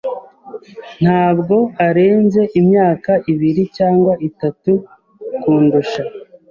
Ntabwo arenze imyaka ibiri cyangwa itatu kundusha.